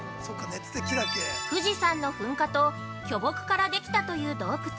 ◆富士山の噴火と巨木からできたという洞窟。